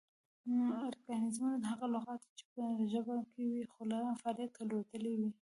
ارکانیزمونه: هغه لغات دي چې پۀ ژبه کې وي خو لۀ فعالیت لویدلي وي